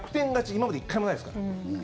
今まで１回もないですから。